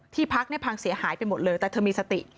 ที่พักภังเสียหายไปหมดเลยแต่เธอมีสติ